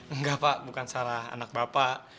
enggak pak bukan salah anak bapak